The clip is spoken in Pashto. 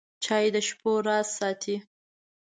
چای د شپو راز ساتي.